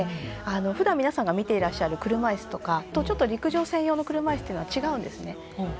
ふだん、皆さんが見ていらっしゃる車いすとかと陸上専用の車いすは違うんですね。